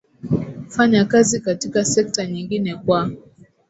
fanyakazi katika sekta nyingine kwa